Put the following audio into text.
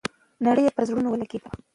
ناره یې پر زړونو ولګېده.